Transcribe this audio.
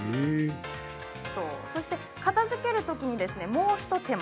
そして、片づけるときにもう一手間。